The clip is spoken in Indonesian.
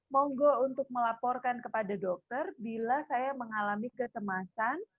monggo untuk melaporkan kepada dokter bila saya mengalami kecemasan